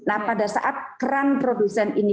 nah pada saat keran produsen ini